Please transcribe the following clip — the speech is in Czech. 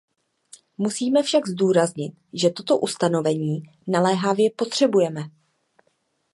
Musíme však zdůraznit, že toto ustanovení naléhavě potřebujeme.